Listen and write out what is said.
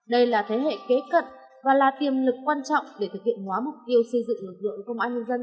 đây là thế hệ kế cận và là tiềm lực quan trọng để thực hiện hóa mục tiêu xây dựng lực lượng công an nhân dân